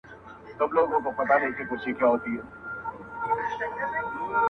زما زړه په محبت باندي پوهېږي_